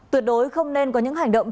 tuyệt đối không nên có những hành động